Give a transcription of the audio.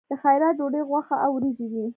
د خیرات ډوډۍ غوښه او وریجې وي.